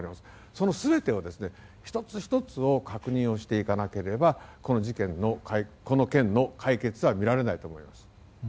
その全て、１つ１つを確認していかなければこの件の解決はみられないと思います。